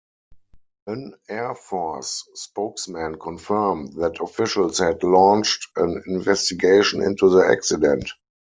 An air force spokesman confirmed that officials had launched an investigation into the accident.